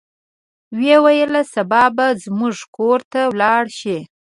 ویې ویل سبا به زموږ کور ته ولاړ شو.